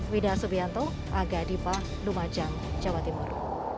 wida subianto aga dipa lumajang jawa timur